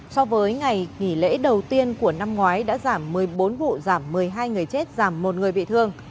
so với ngày nghỉ lễ đầu tiên của năm ngoái đã giảm một mươi bốn vụ giảm một mươi hai người chết giảm một người bị thương